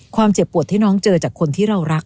เจ็บปวดที่น้องเจอจากคนที่เรารัก